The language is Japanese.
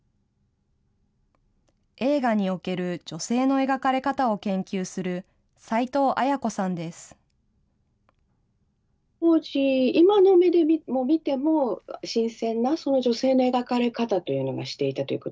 映画における女性の描かれ方を研究する斉藤綾子さんです。